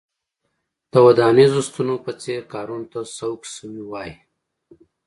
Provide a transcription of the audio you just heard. د ودانیزو ستنو په څېر کارونو ته سوق شوي وای.